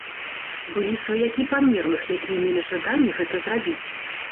Былі сваякі памерлых, якія мелі жаданне гэта зрабіць.